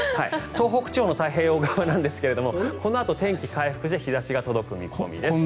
東北地方の太平洋側ですがこのあと天気回復して日差しが届く見込みです。